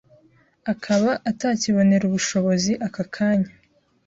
akaba atakibonera ubushobozi aka kanya,